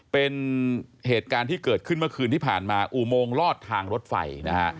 เป็นเหตุการณ์ที่เกิดขึ้นเมื่อคืนที่ผ่านมาอุโมงลอดทางรถไฟนะฮะ